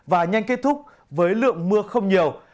và nhanh kết thúc với lượng mưa không nhiều